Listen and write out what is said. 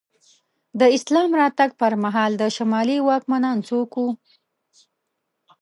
د اسلام راتګ پر مهال د شمالي واکمنان څوک وو؟